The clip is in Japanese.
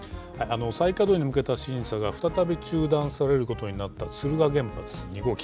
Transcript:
再稼働に向けた審査が再び中断されることになった敦賀原発２号機。